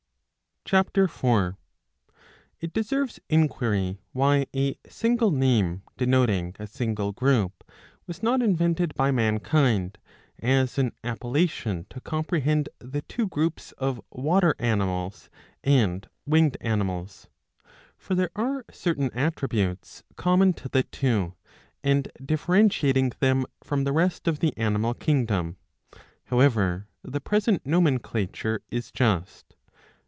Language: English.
(Ch. 4.) It deserves inquiry why a single name denoting a single group was not invented by mankind, as an appellation to com prehend the two groups of Water animals and Winged animals. For there are certain attributes common to the two ^ and [differentiating them from] the rest of the animal kingdom. However, the present nomenclature is just.